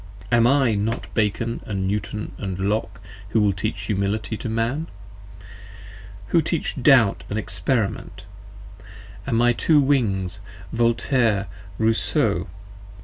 Am I not Bacon & Newton & Locke who teach Humility to Man? Who teach Doubt & Experiment: & my two Wings Voltaire, Rousseau.